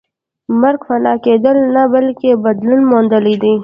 مرګ فنا کېدل نه بلکې بدلون موندل دي